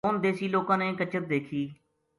انھ دیسی لوکاں نے کچر دیکھی